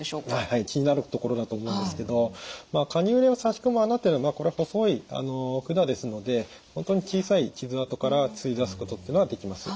はい気になるところだと思うんですけどカニューレをさし込む孔というのはこれ細い管ですので本当に小さい傷あとから吸い出すことっていうのができます。